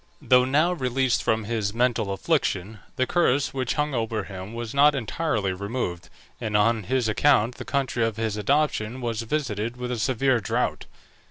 Though now released from his mental affliction, the curse which hung over him was not entirely removed, and on his account the country of his adoption was visited with a severe drought.